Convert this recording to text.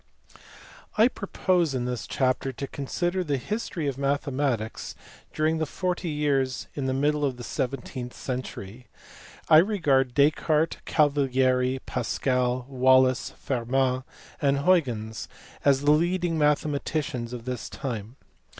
I PROPOSE in this chapter to consider the history of mathe matics during the forty years in the middle of the seventeenth century. I regard Descartes, Cavalieri, Pascal, Wallis, Fermat, and Huygens as the leading mathematicians of this time.